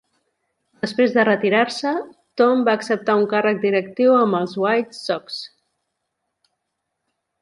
Després de retirar-se, Thome va acceptar un càrrec directiu amb els White Sox.